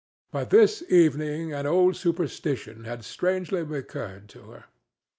But this evening an old superstition had strangely recurred to her.